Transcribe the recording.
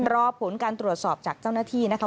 รอผลการตรวจสอบจากเจ้าหน้าที่นะคะ